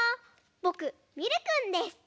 ぼくミルくんです。